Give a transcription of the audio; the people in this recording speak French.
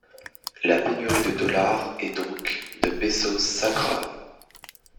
La pénurie de dollars, et donc de pesos s'aggrave.